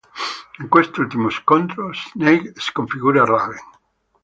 In quest'ultimo scontro, Snake sconfigge Raven.